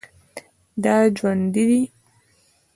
دا ژوندی دی